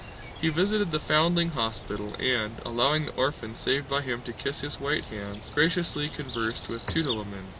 He visited the Foundling Hospital and, allowing the orphans saved by him to kiss his white hands, graciously conversed with Tutólmin.